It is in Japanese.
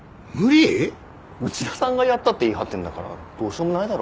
内田さんがやったって言い張ってんだからどうしようもないだろ。